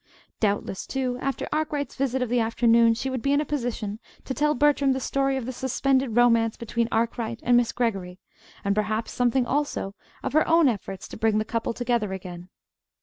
Doubtless, too, after Arkwright's visit of the afternoon, she would be in a position to tell Bertram the story of the suspended romance between Arkwright and Miss Greggory, and perhaps something, also, of her own efforts to bring the couple together again.